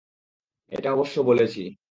এটা অবশ্য বলেছি।